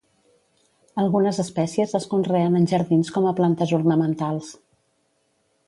Algunes espècies es conreen en jardins com a plantes ornamentals.